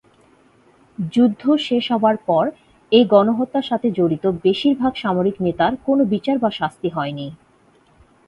যুদ্ধ শেষ হবার পর এই গণহত্যার সাথে জড়িত বেশির ভাগ সামরিক নেতার কোন বিচার বা শাস্তি হয়নি।